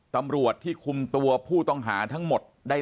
ปากกับภาคภูมิ